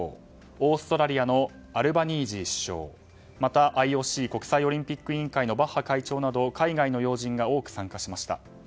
オーストラリアのアルバニージー首相また、ＩＯＣ・国際オリンピック委員会のバッハ会長など海外の要人が多く参加しました。